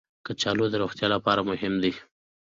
کچالو د روغتیا لپاره مهم دي